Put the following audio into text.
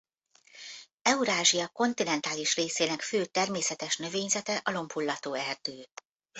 Eurázsia kontinentális részének fő etrmészetes növényzete a lombhullató erdő.